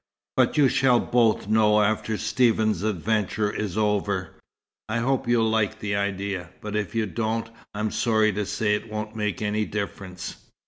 "But you shall both know after Stephen's adventure is over. I hope you'll like the idea. But if you don't I'm sorry to say it won't make any difference."